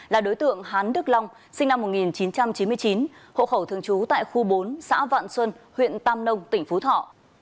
là đối tượng hán đức long sinh năm một nghìn chín trăm chín mươi chín hộ khẩu thường trú tại khu bốn xã vạn xuân huyện tam nông tỉnh phú thọ